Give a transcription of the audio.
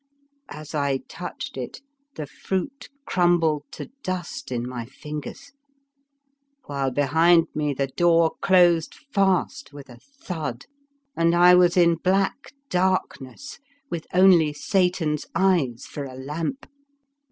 As I touched it the fruit crumbled to dust in my fingers; while behind me the door closed fast with a thud, and I was in black dark ness, with only Satan's eyes for a lamp.